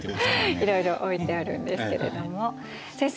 いろいろ置いてあるんですけれども先生